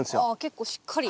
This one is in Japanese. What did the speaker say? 結構しっかり。